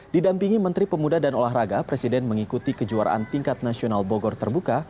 didampingi menteri pemuda dan olahraga presiden mengikuti kejuaraan tingkat nasional bogor terbuka